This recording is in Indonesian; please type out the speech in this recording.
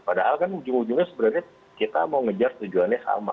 padahal kan ujung ujungnya sebenarnya kita mau ngejar tujuannya sama